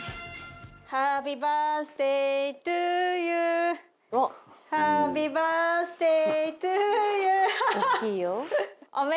「ハッピーバースデートゥユー」「ハッピーバースデートゥユー」